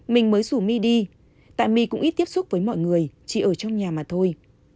mình mới rủ mi đi tại my cũng ít tiếp xúc với mọi người chỉ ở trong nhà mà thôi